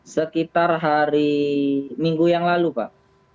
sekitar hari minggu yang lalu pak